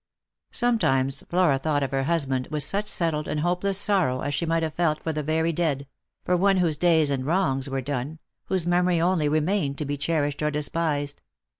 Sometimes Flora thought of her husband with such settled and hopeless sorrow as she might have felt for the very dead — for one whose days and wrongs were done, whose memory only remained to be cherished or despised.